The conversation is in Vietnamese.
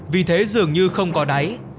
vì thế dường như không có đáy